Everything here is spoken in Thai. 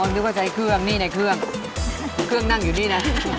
นึกว่าใช้เครื่องนี่ในเครื่องเครื่องนั่งอยู่นี่นะ